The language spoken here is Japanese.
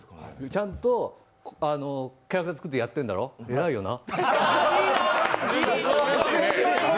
ちゃんとキャラクター作ってやってるんだろ、偉いよな。